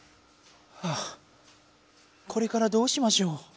はぁこれからどうしましょう。